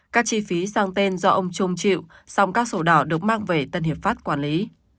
các chi phí sang tên do ông trung chịu song các sổ đỏ được mang về tân hiệp pháp quản lý